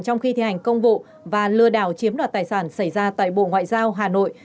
trong khi thi hành công vụ và lừa đảo chiếm đoạt tài sản xảy ra tại bộ ngoại giao hà nội